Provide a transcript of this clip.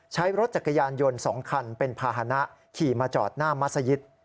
ใช้รถจักรยานยนต์๒คันเป็นภาษณะขี่มาจอดหน้ามัศยิต